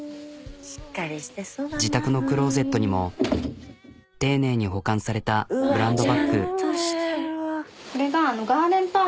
自宅のクローゼットにも丁寧に保管されたブランドバッグ。